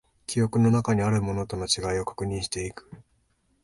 記憶の中にあるものとの違いを確認していく